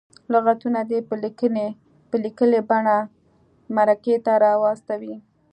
لغتونه دې په لیکلې بڼه مرکې ته راواستوي.